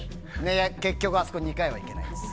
結局、あそこ２回はいけないんです。